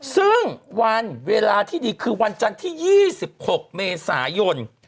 ซึ่งวันเวลาที่ดีคือวันจันทร์ที่๒๖เมษายน